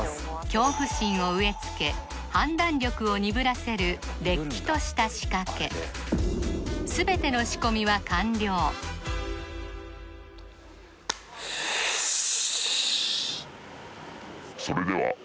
恐怖心を植えつけ判断力を鈍らせるれっきとした仕掛け全ての仕込みは完了よし